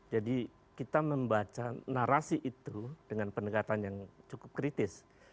jadi kita membaca narasi itu dengan pendekatan yang cukup kritis